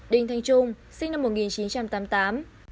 đình thanh trung sinh năm một nghìn chín trăm tám mươi tám